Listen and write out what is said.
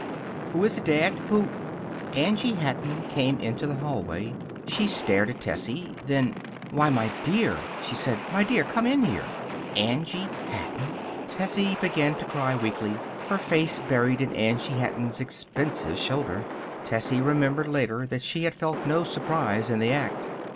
"Who is it, Dad? Who ?" Angie Hatton came into the hallway. She stared at Tessie. Then: "Why, my dear!" she said. "My dear! Come in here." Angie Hatton! Tessie began to cry weakly, her face buried in Angie Hatton's expensive shoulder. Tessie remembered later that she had felt no surprise at the act.